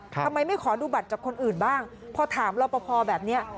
ทำไมไม่ขอดูบัตรจากคนอื่นบ้างพอถามรอปภแบบนี้